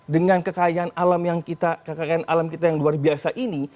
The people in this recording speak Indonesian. dengan kekayaan alam yang kita kekayaan alam kita yang luar biasa ini